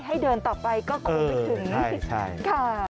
ให้เดินต่อไปก็คงนึกถึง